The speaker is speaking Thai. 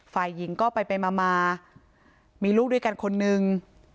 ฝ่ายหญิงก็ไปไปมามีลูกด้วยกันคนนึง